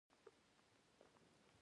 ښار د ښځو او ماشومان له چيغو ډک وو.